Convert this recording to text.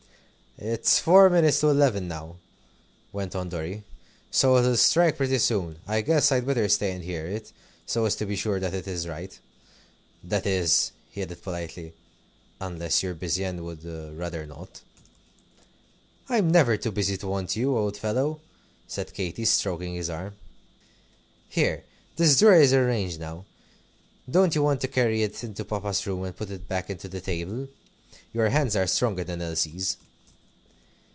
"It's four minutes to eleven now," went on Dorry. "So it'll strike pretty soon. I guess I'd better stay and hear it, so as to be sure that it is right. That is," he added politely, "unless you're busy, and would rather not." "I'm never too busy to want you, old fellow," said Katy, stroking his arm. "Here, this drawer is arranged now. Don't you want to carry it into Papa's room and put it back into the table? Your hands are stronger than Elsie's."